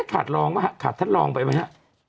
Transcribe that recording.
เอ๊ะขาดลองไหมขาดท่านลองไปไหมฮะ